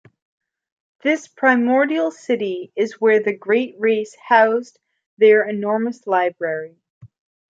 This primordial city is where the Great Race housed their enormous library.